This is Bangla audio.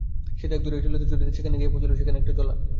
সেই দাগ ধরিয়া চলিতে চলিতে যেখানে গিয়া সে পৌঁছিল সেখানে একটা জলা।